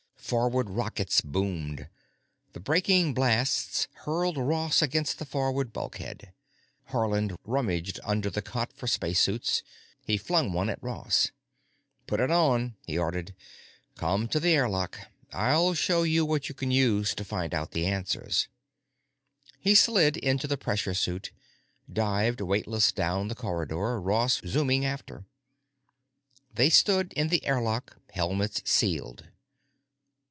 Forward rockets boomed; the braking blasts hurled Ross against the forward bulkhead. Haarland rummaged under the cot for space suits. He flung one at Ross. "Put it on," he ordered. "Come to the airlock. I'll show you what you can use to find out the answers." He slid into the pressure suit, dived weightless down the corridor, Ross zooming after. They stood in the airlock, helmets sealed.